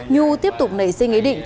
nhu tiếp tục nảy sinh ý định